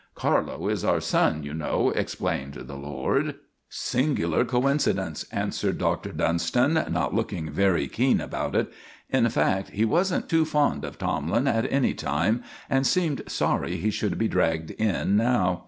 "Carlo is our son, you know," explained the lord. "Singular coincidence," answered Doctor Dunston, not looking very keen about it. In fact, he wasn't too fond of Tomlin at any time, and seemed sorry he should be dragged in now.